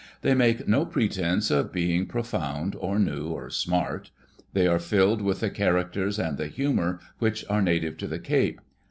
They make no pretence of being pro found, or new, or "smart." They are filled with the characters and the humor which are native to the Cape.